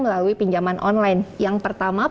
melalui pinjaman online yang pertama